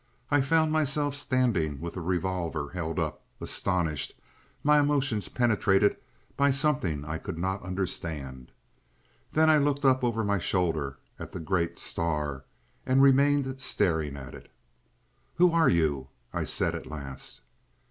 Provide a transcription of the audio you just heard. I found myself standing with the revolver held up, astonished, my emotions penetrated by something I could not understand. Then I looked up over my shoulder at the great star, and remained staring at it. "Who are you?" I said at last.